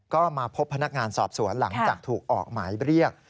ก็มาพบพนักงานสอบสวนหลังจากถูกออกหมายเรียก